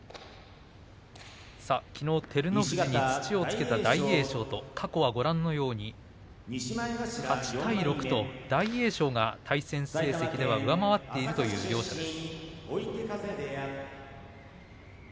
きのう、照ノ富士に土をつけた大栄翔と過去はご覧のように８対６と大栄翔が対戦成績では上回っているという両者です。